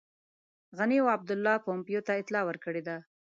غني او عبدالله پومپیو ته اطلاع ورکړې ده.